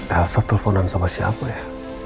elsa telfonan sama siapa ya